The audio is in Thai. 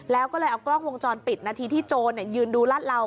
แล้วก็เลยเอากล้องวงจรปิดนาทีที่โจรยืนดูรัดเหลา